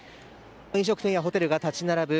飲食店やホテルが立ち並ぶ